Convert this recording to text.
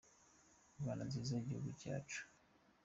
Rwanda nziza gihugu cyacu